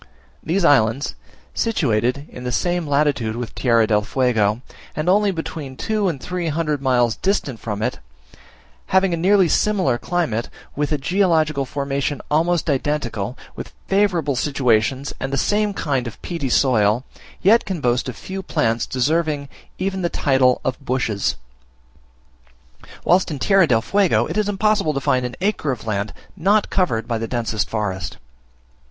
These islands, situated in the same latitude with Tierra del Fuego and only between two and three hundred miles distant from it, having a nearly similar climate, with a geological formation almost identical, with favourable situations and the same kind of peaty soil, yet can boast of few plants deserving even the title of bushes; whilst in Tierra del Fuego it is impossible to find an acre of land not covered by the densest forest.